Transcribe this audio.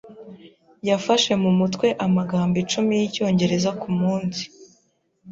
Yafashe mu mutwe amagambo icumi yicyongereza kumunsi.